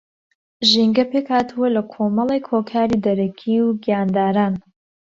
ژینگە پێکھاتووە لە کۆمەڵێک ھۆکاری دەرەکی و گیانداران